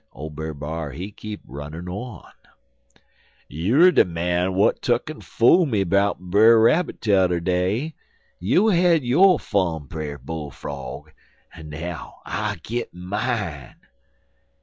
Ole Brer B'ar he keep runnin' on: "'You er de man w'at tuck en fool me 'bout Brer Rabbit t'er day. You had yo' fun, Brer Bull frog, en now I'll git mine.'